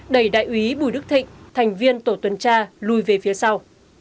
đẩy đại úy bùi đức thịnh thành viên tổ tuần tra lùi về phía sau